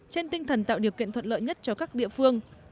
trên tinh thần tạo điều kiện thuận lợi nhất cho các địa phương